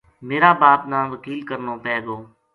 میرا باپ نا وکیل کرنو پے گو